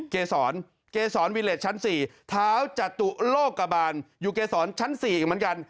เกษรเกษรวิเลสชั้น๔เท้าจตุโลกบาลอยู่เกษรชั้น๔อีกเหมือนกัน